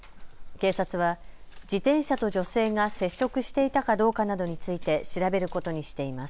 警察は自転車と女性が接触していたかどうかなどについて調べることにしています。